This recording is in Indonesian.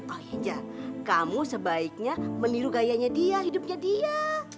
oh iya kamu sebaiknya meniru gayanya dia hidupnya dia